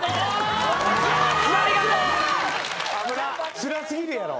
つら過ぎるやろ。